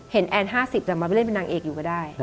แอน๕๐จะมาไปเล่นเป็นนางเอกอยู่ก็ได้